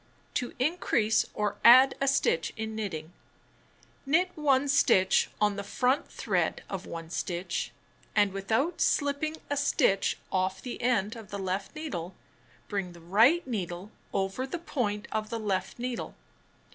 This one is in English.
To Increase or Add a Stitch in Knitting Knit 1 stitch on the front thread of 1 stitch, and without slipping a stitch off the end of the left needle bring the right needle over the point of the left needle.